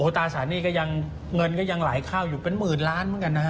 ตราสารหนี้ก็ยังเงินก็ยังไหลเข้าอยู่เป็นหมื่นล้านเหมือนกันนะฮะ